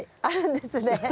あるんですね。